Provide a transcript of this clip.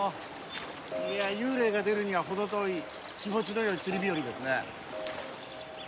いや幽霊が出るには程遠い気持ちの良い釣り日和ですね。